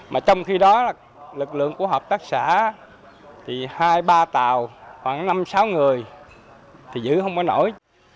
mà trong khi đó lực lượng của hợp tác xã thì hai ba tàu khoảng năm sáu người thì giữ không có nổi